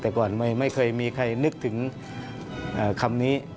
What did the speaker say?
แต่ก่อนไม่เคยมีใครนึกถึงคำนี้